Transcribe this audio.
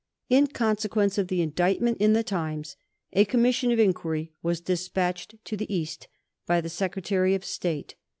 In consequence of the indictment in the Times, a Commission of Inquiry was dispatched to the East by the Secretary of State.